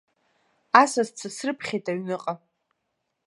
Асасцәа срыԥхьеит аҩныҟа.